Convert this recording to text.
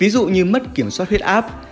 ví dụ như mất kiểm soát huyết áp